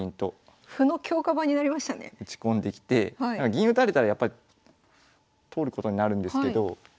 銀打たれたらやっぱり取ることになるんですけど。